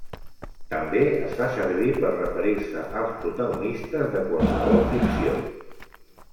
També es fa servir per referir-se als protagonistes de qualsevol ficció.